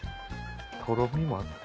とろみもあって。